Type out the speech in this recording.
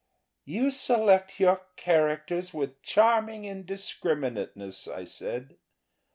"You select your characters with charming indiscriminateness," I said.